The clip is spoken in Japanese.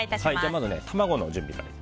まず卵の準備から。